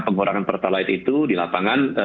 pengurangan pertalite itu di lapangan